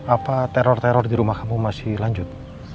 apa teror teror di rumah kamu masih lanjut